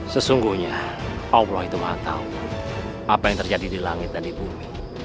sesungguhnya allah itu gak tahu apa yang terjadi di langit dan di bumi